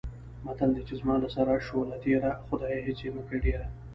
متل دی: چې زما له سره شوله تېره، خدایه هېڅ یې مه کړې ډېره.